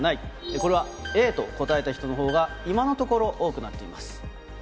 これはＡと答えた人のほうが今のところ、多くなっています。